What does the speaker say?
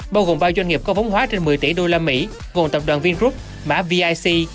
bao gồm ba doanh nghiệp có vốn hóa trên một mươi tỷ usd gồm tập đoàn vingroup mã vic